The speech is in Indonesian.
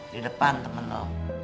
di depan temen lu